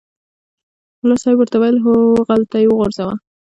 ملا صاحب ورته وویل هوغلته یې وغورځوه.